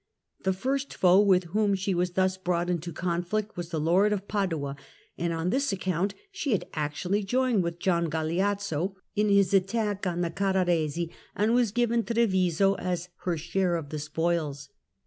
The first foe with whom she was thus brought into conflict was the Lord of Padua, and on this account she had actually joined with Gian Galeazzo in his attack on the Carraresi, and was given Treviso as her share of the spoils.